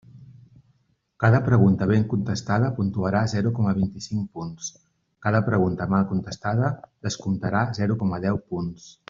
Cada pregunta ben contestada puntuarà zero coma vint-i-cinc punts; cada pregunta mal contestada descomptarà zero coma deu punts.